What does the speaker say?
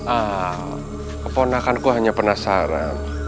ah keponakan ku hanya penasaran